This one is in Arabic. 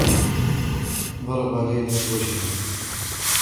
ضرب ليلى في وجهها.